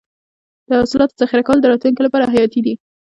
د حاصلاتو ذخیره کول د راتلونکي لپاره حیاتي دي.